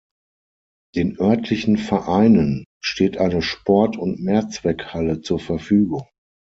Den örtlichen Vereinen steht eine Sport- und Mehrzweckhalle zur Verfügung.